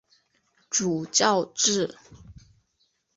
主教制。